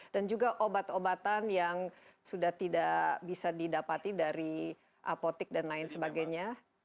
dan juga obat obatan yang sudah tidak bisa didapati dari apotik dan lain sebagainya